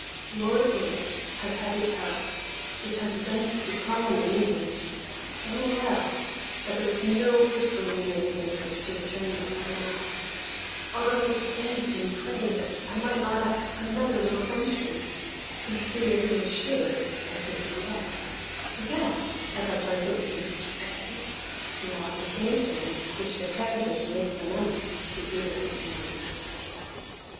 Lord Davers has had his health (which had begun to decline in England) so well, that there was no persuading Lady Davers to return before now, although I begged and prayed I might not have another little Frenchman, for fear they should, as they grew up, forget, as I pleasantly used to say, the obligations which their parentage lays them under to dearer England.